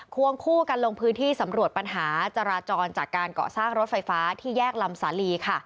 วงคู่กันลงพื้นที่สำรวจปัญหาจราจรจากการเกาะสร้างรถไฟฟ้าที่แยกลำสาลีค่ะ